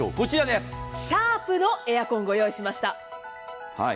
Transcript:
シャープのエアコン御用意しました。